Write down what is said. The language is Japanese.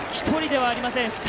１人ではありません。